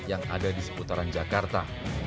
yang ada di seputaran jakarta